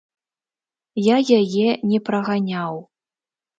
Я яе не праганяў.